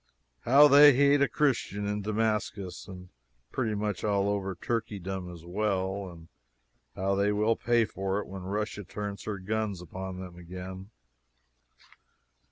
How they hate a Christian in Damascus! and pretty much all over Turkeydom as well. And how they will pay for it when Russia turns her guns upon them again!